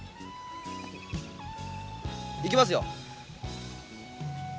行きますよ。